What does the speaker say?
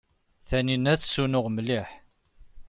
Taninna tessunuɣ mliḥ.